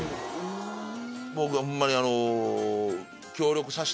僕ホンマにあの。